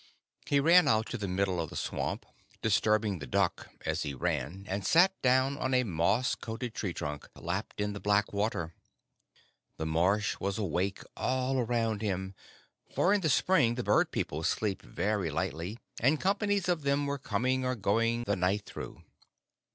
He ran out to the middle of the swamp, disturbing the duck as he ran, and sat down on a moss coated tree trunk lapped in the black water. The marsh was awake all round him, for in the spring the Bird People sleep very lightly, and companies of them were coming or going the night through.